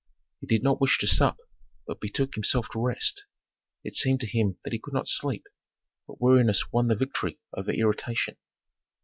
He did not wish to sup, but betook himself to rest. It seemed to him that he could not sleep; but weariness won the victory over irritation.